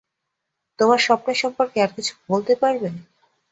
তোমার স্বপ্ন সম্পর্কে আর কিছু বলতে পারবে?